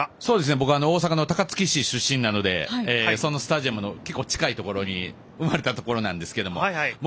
僕は大阪の高槻市出身なのでそのスタジアムの結構近いところが生まれたところなんですけども。